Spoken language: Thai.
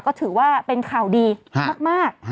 ก็ถือว่าเป็นข่าวดีมาก